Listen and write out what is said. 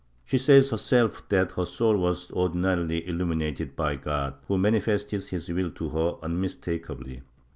She says herself that her soul was ordinarily illu minated by God, who manifested his will to her unmistakably.